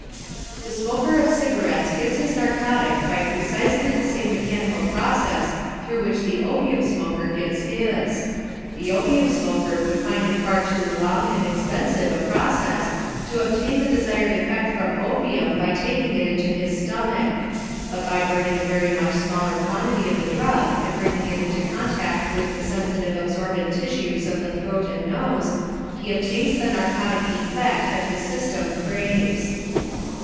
The smoker of cigarettes gets his narcotic by precisely the same mechanical process through which the opium smoker gets his. The opium smoker would find it far too long and expensive a process to obtain the desired effect from opium by taking it into his stomach; but by burning a very much smaller quantity of the drug and bringing it into contact with the sensitive absorbent tissues of the throat and nose, he obtains the narcotic effect that his system craves.